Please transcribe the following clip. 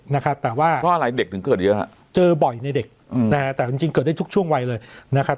นะครับแต่ว่าเพราะอะไรเด็กถึงเกิดเยอะฮะเจอบ่อยในเด็กอืมนะฮะแต่จริงจริงเกิดได้ทุกช่วงวัยเลยนะครับ